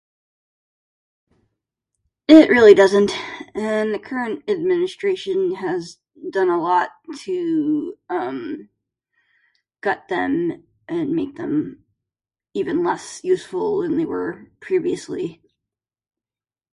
It really doesn't, and the current administration has done a lot to, um, gut them and make them even less useful than they were previously.